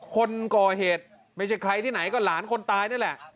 คนก่อเหตุไม่ใช่ใครที่ไหนก็หลานคนตายนี่แหละ